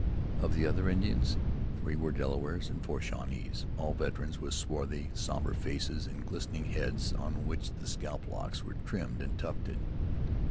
Of the other Indians, three were Delawares, and four Shawnees, all veterans, with swarthy, somber faces and glistening heads on which the scalp locks were trimmed and tufted.